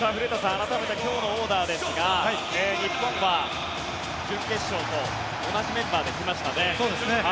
改めて今日のオーダーですが日本は準決勝と同じメンバーで来ましたね。